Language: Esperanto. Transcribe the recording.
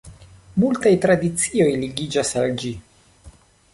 Multaj tradicioj ligiĝas al ĝi.